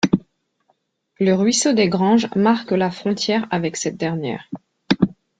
Le ruisseau des Granges marque la frontière avec cette dernière.